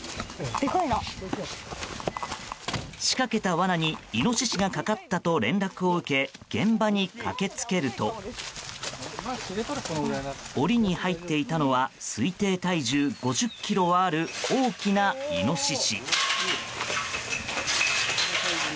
仕掛けたわなにイノシシがかかったと連絡を受け現場に駆けつけると檻に入っていたのは推定体重５０ｋｇはある大きなイノシシ。